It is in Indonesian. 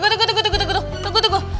tunggu tunggu tunggu